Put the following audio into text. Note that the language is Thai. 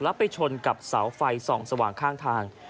แล้วไปชนกับเสาไฟส่องสว่างข้างทาง